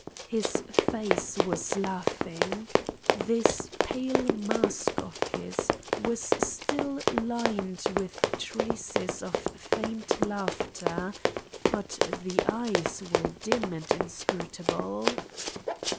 His face was laughing. This pale mask of his was still lined with traces of faint laughter but the eyes were dim and inscrutable.